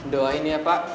doain ya pak